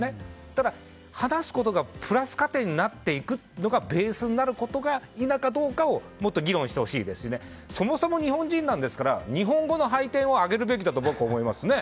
ただ、話すことがプラス加点になっていくのがベースになることが否かどうかをもっと議論してほしいですしそもそも、日本人なんですから日本語の配点を上げるべきだと僕は思いますね。